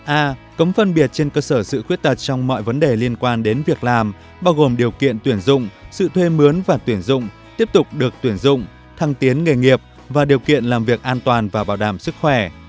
a cấm phân biệt trên cơ sở sự khuyết tật trong mọi vấn đề liên quan đến việc làm bao gồm điều kiện tuyển dụng sự thuê mướn và tuyển dụng tiếp tục được tuyển dụng thăng tiến nghề nghiệp và điều kiện làm việc an toàn và bảo đảm sức khỏe